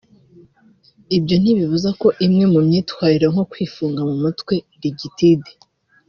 ibyo ntibibuza ko imwe mu myitwarire nko kwifunga mu mutwe(rigidite)